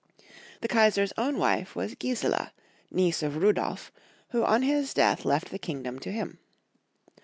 The Kaisar's own wife was Gisela, niece of Rudolf, who on his death left the kingdom to him.